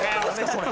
それ。